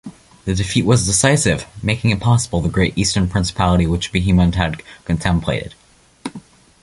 The defeat was decisive, making impossible the great eastern principality which Bohemond had contemplated.